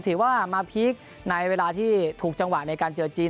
ถือว่ามาพีคในเวลาที่ถูกจังหวะในการเจอจีน